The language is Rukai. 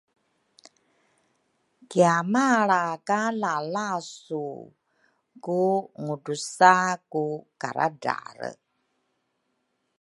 kiamalra ka lalasu ku ngudrusa ku karadrale.